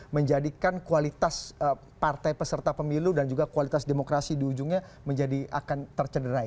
menjadikan kualitas partai peserta pemilu dan juga kualitas demokrasi di ujungnya menjadi akan tercederai